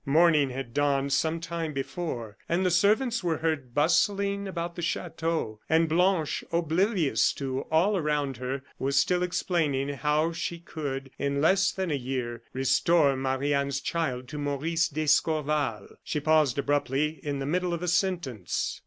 Morning had dawned some time before, and the servants were heard bustling about the chateau, and Blanche, oblivious to all around her, was still explaining how she could, in less than a year, restore Marie Anne's child to Maurice d'Escorval. She paused abruptly in the middle of a sentence.